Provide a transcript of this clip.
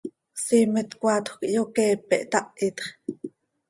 Siimet coaatjö quih hyoqueepe, htahit x.